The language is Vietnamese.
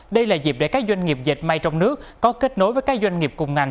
đây là dịp để các doanh nghiệp dệt may trong nước có kết nối với các doanh nghiệp cùng ngành